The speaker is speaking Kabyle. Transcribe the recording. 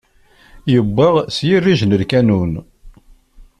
Yewwa s yirij n lkanun!